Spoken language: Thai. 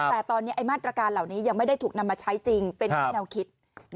แต่ตอนนี้มาตรการเหล่านี้ยังไม่ได้ถูกนำมาใช้จริงเป็นแค่แนวคิด